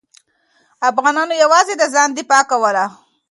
افغانانو یوازې د ځان دفاع کوله.